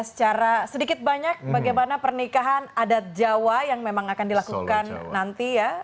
secara sedikit banyak bagaimana pernikahan adat jawa yang memang akan dilakukan nanti ya